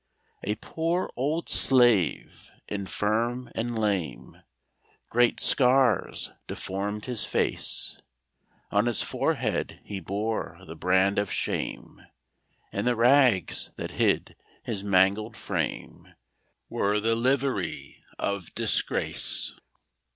A poor old slave, infirm and lame; Great scars deformed his face; On his forehead he bore the brand of shame, And the rags, that hid his mangled frame, Were the livery of disgrace.